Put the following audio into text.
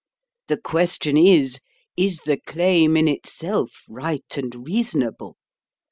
The question is, 'Is the claim in itself right and reasonable?'